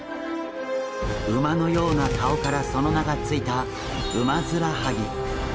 馬のような顔からその名が付いたウマヅラハギ。